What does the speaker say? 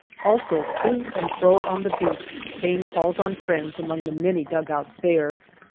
Also to and fro on the beach, paying calls on friends among the many dugouts there.